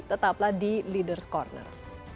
tetaplah di leaders' corner